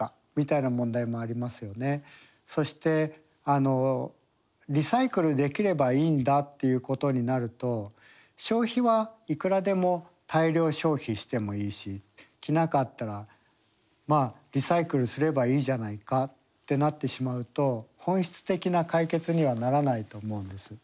そしてリサイクルできればいいんだっていうことになると消費はいくらでも大量消費してもいいし着なかったらまあリサイクルすればいいじゃないかってなってしまうと本質的な解決にはならないと思うんです。